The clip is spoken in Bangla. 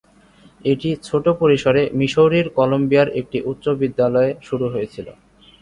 এটি ছোট পরিসরে মিসৌরির কলম্বিয়ার একটি উচ্চ বিদ্যালয়ে শুরু হয়েছিল।